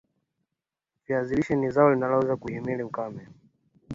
viazi lishe ni zao linaloweza kuhimili ukame